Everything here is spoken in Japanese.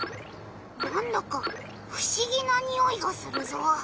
なんだかふしぎなにおいがするぞ。